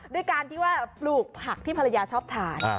ด้วยการที่ว่าปลูกผักที่ภรรยาชอบทาน